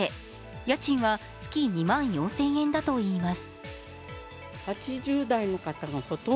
家賃は月２万４０００円だといいます。